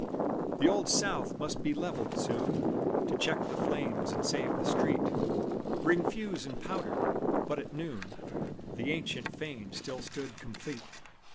"The Old South must be levelled soon To check the flames and save the street; Bring fuse and powder." But at noon The ancient fane still stood complete.